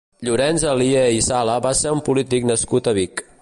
Llorenç Alier i Sala va ser un polític nascut a Vic.